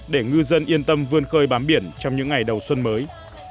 để ngư dân yên tâm vươn khơi bám biển trong những ngày đầu xuân mới